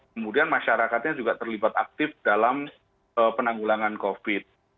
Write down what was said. kemudian masyarakatnya juga terlibat aktif dalam penanggulangan covid